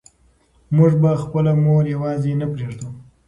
موږ به خپله مور یوازې نه پرېږدو.